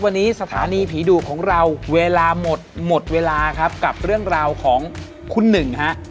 วันนี้สถานีผีดุของเราเวลาหมดหมดเวลาครับกับเรื่องราวของคุณหนึ่งฮะ